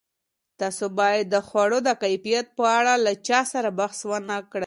تاسو باید د خوړو د کیفیت په اړه له چا سره بحث ونه کړئ.